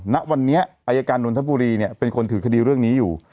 ณวันนี้อายการนนทบุรีเป็นคนถือคดีเรื่องนี้อยู่